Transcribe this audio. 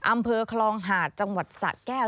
อำเภอคลองหาดจังหวัดสะแก้ว